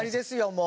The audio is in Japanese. もう。